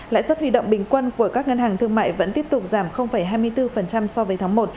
lãi suất huy động bình quân của các ngân hàng thương mại vẫn tiếp tục giảm hai mươi bốn so với tháng một